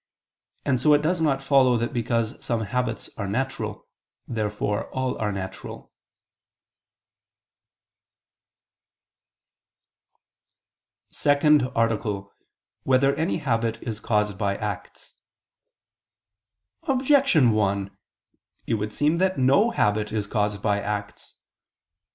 And so it does not follow that because some habits are natural, therefore all are natural. ________________________ SECOND ARTICLE [I II, Q. 51, Art. 2] Whether Any Habit Is Caused by Acts? Objection 1: It would seem that no habit is caused by acts.